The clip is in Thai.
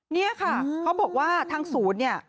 นี่ค่ะเขาบอกว่าทางศูนย์เนี่ย